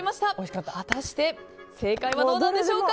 果たして正解はどうなんでしょうか。